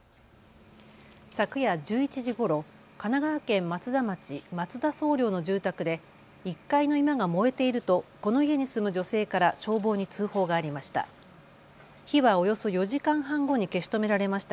昨夜１１時ごろ、神奈川県松田町松田惣領の住宅で１階の居間が燃えているとこの家に住む女性から消防に通報がありました。